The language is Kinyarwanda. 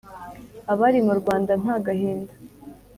Abari mu Rwanda nta gahinda